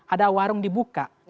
ada warung dibuka